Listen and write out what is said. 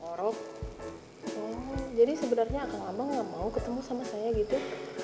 orok jadi sebenarnya akan lama gak mau ketemu sama saya gitu